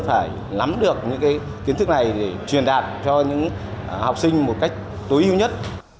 phải lắm được những kiến thức này để truyền đạt cho những học sinh một cách tối ưu nhất